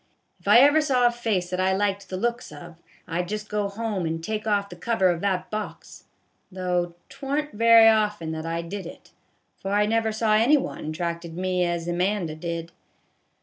If ever I saw a face that I liked the looks of, I 'd just go home and take off the cover of that box, though 't warn't very often that I did it, for I never saw any one t' attracted me as Amanda did.